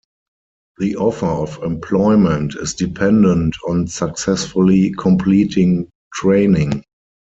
The offer of employment is dependent on successfully completing training.